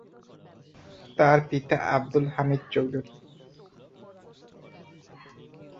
তার পিতা আব্দুল হামিদ চৌধুরী।